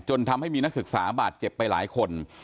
ทำให้มีนักศึกษาบาดเจ็บไปหลายคน